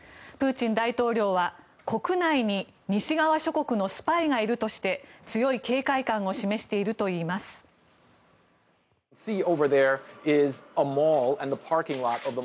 プーチン大統領は国内に西側諸国のスパイがいるとして強い警戒感を示しているといいます。